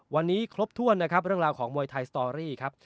วันนี้ครบถ้วนนะครับเรื่องราวของมวยไทยสตอรี่ครับ